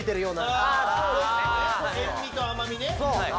塩味と甘味ね。